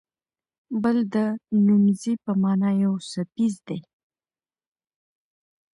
بل د نومځي په مانا یو څپیز دی.